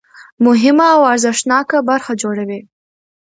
مهمه او ارزښتناکه برخه جوړوي.